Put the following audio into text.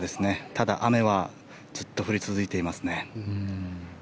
ただ、雨はずっと降り続いていますね。